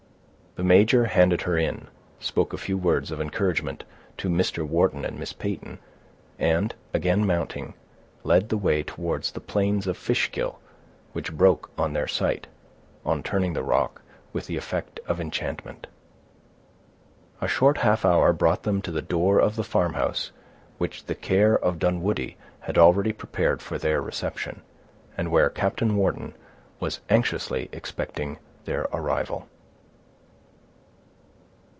The major handed her in, spoke a few words of encouragement to Mr. Wharton and Miss Peyton, and, again mounting, led the way towards the plains of Fishkill, which broke on their sight, on turning the rock, with the effect of enchantment. A short half hour brought them to the door of the farmhouse which the care of Dunwoodie had already prepared for their reception, and where Captain Wharton was anxiously expecting their arrival.